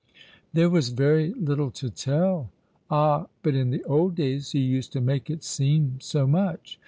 " There was very little to tell." '' Ah, but in the old days you used to make it seem so much.